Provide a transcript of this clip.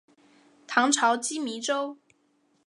唐朝羁縻州。